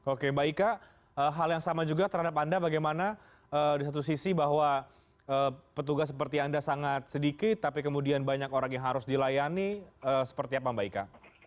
oke mbak ika hal yang sama juga terhadap anda bagaimana di satu sisi bahwa petugas seperti anda sangat sedikit tapi kemudian banyak orang yang harus dilayani seperti apa mbak ika